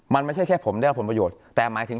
มันไม่ใช่แค่ผมได้รับผลประโยชน์แต่หมายถึง